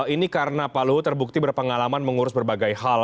ini karena pak luhut terbukti berpengalaman mengurus berbagai hal